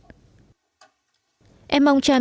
bây giờ em mong ước điều gì nhất